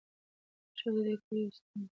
ژبه د دې کور یو ستون دی.